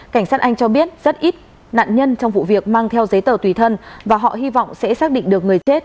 cảnh sát anh cho biết rất ít nạn nhân trong vụ việc mang theo giấy tờ tùy thân và họ hy vọng sẽ xác định được người chết